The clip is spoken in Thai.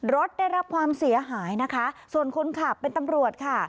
รถได้รับความเสียหายนะคะส่วนคนขับเป็นตำรวจค่ะ